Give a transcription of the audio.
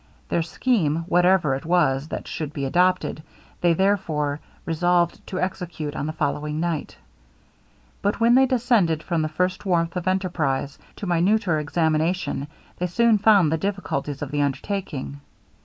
Their scheme, whatever it was that should be adopted, they, therefore, resolved to execute on the following night. But when they descended from the first warmth of enterprize, to minuter examination, they soon found the difficulties of the undertaking.